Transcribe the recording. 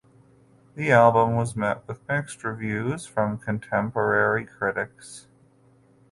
The album was met with mixed reviews from contemporary critics.